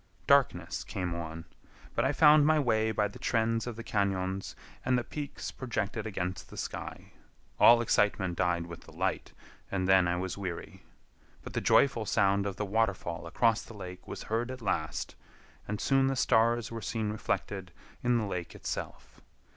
Darkness came on, but I found my way by the trends of the cañons and the peaks projected against the sky. All excitement died with the light, and then I was weary. But the joyful sound of the waterfall across the lake was heard at last, and soon the stars were seen reflected in the lake itself.